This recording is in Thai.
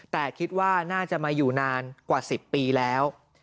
แต่คิดว่าน่าจะมาอยู่นานกว่า๑๐ปีแล้ว